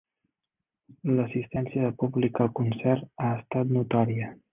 L'assistència de públic al concert ha estat notòria.